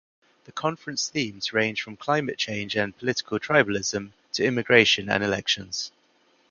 The conference themes range from climate change and political tribalism to immigration and elections.